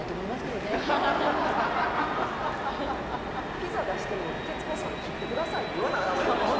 ピザ出しても「徹子さん切ってください」って言わなダメなんでしょ？